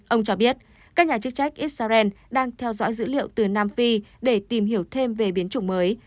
ông cho biết các nhà chức trách israel đang theo dõi dữ liệu từ nam phi để tìm hiểu thêm về biến chủng mới